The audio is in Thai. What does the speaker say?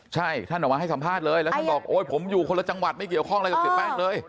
ใช่ท่านออกมาให้สัมภาษณ์เลยแล้วท่านบอกโอ๊ยผมอยู่คนละจังหวัดไม่เกี่ยวข้องอะไรกับเสียแป้งเลย